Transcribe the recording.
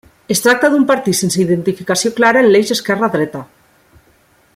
Es tracta d'un partit sense identificació clara en l'eix esquerra-dreta.